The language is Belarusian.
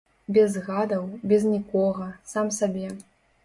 Без гадаў, без нікога, сам сабе.